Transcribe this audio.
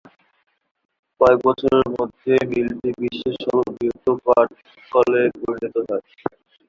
কয়েক বছরের মধ্যে মিলটি বিশ্বের সর্ব বৃহৎ পাটকলে পরিণত হয়।